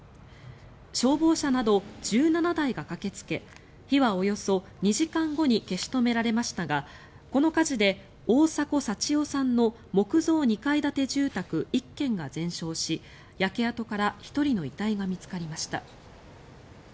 消防車など１７台が駆けつけ火はおよそ２時間後に消し止められましたがこの火事で大迫幸男さんの木造２階建て住宅１軒が全焼し焼け跡から１人の遺体が見つかりました。